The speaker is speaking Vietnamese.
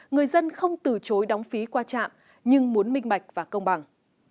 người dân không từ chối đóng phí qua trạm nhưng muốn minh bạch và công bằng